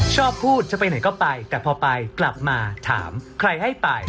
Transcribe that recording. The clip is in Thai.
ชอบพูดจะไปไหนก็ไปแต่พอไปกลับมาถามใครให้ไป